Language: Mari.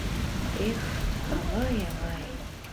Эх, авай, авай!